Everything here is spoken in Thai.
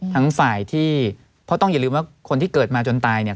ทั้งฝ่ายที่เพราะต้องอย่าลืมว่าคนที่เกิดมาจนตายเนี่ย